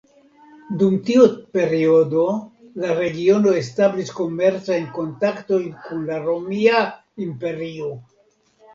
Dum tiu periodo la regiono establis komercajn kontaktojn kun la Romia Imperio.